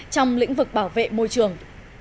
trong lĩnh vực bảo vệ môi trường